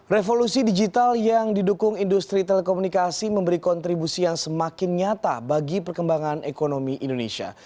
revolusi digital yang didukung industri telekomunikasi memberi kontribusi yang semakin nyata bagi perkembangan ekonomi indonesia